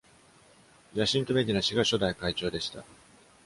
ジャシントメディナ氏が初代会長でした。